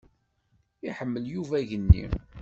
Iḥemmel Yuba aɣenni.